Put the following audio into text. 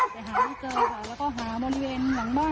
แต่หาไม่เจอค่ะแล้วก็หาบริเวณหลังบ้าน